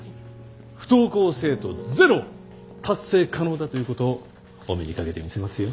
不登校生徒ゼロ達成可能だということをお目にかけてみせますよ。